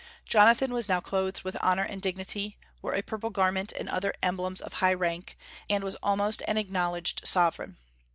Jonathan was now clothed with honor and dignity, wore a purple garment and other emblems of high rank, and was almost an acknowledged sovereign.